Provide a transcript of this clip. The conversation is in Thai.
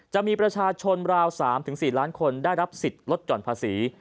จะมีประชาชนราว๓๔ล้านคนได้รับสิทธิ์ลดหย่อนภาษี